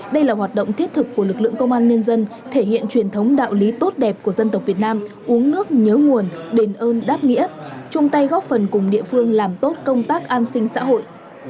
đây là hoạt động thiết thực của lực lượng công an nhân dân thể hiện truyền thống đạo lý tốt đẹp của dân tộc việt nam uống nước nhớ nguồn đền ơn đáp nghĩa chung tay góp phần cùng địa phương làm tốt công tác an sinh xã hội